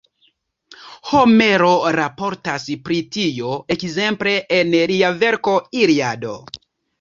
Homero raportas pri tio ekzemple en lia verko Iliado.